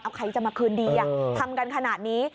เอาใครจะมาคืนดีทำกันขนาดนี้